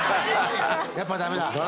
やっぱダメだ。